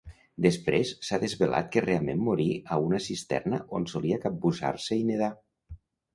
Després s'ha desvelat que realment morí a una cisterna on solia capbussar-se i nedar.